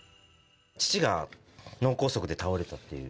父が脳梗塞で倒れたっていう。